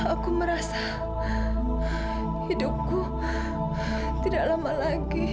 aku merasa hidupku tidak lama lagi